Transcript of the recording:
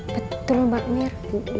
betul mbak mir